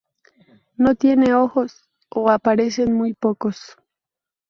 No tiene ojos, o aparecen muy pocos.